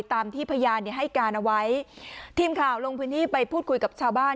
ตามที่พยานเนี่ยให้การเอาไว้ทีมข่าวลงพื้นที่ไปพูดคุยกับชาวบ้าน